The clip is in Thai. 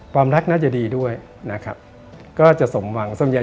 ความรักน่าจะดีด้วยนะครับก็จะสมหวังทุกคู่นะครับ